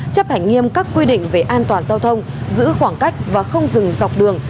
chấp hành nghiêm các quy định về an toàn giao thông giữ khoảng cách và không dừng dọc đường